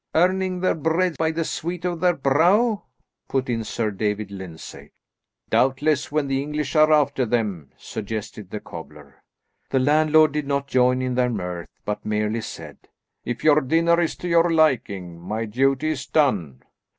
"Earning their bread by the sweat of their brow," put in Sir David Lyndsay. "Doubtless, when the English are after them," suggested the cobbler. The landlord did not join in their mirth, but merely said, "If your dinner is to your liking, my duty is done."